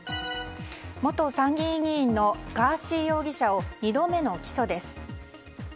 元参議院議員のガーシー容疑者を２度目の起訴です。